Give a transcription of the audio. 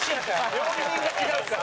料理人が違うから。